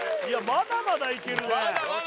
・まだまだいける！